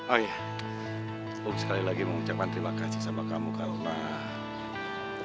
oh iya mau sekali lagi mengucapkan terima kasih sama kamu kak umar